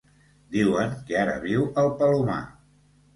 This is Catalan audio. Diuen que ara viu al Palomar.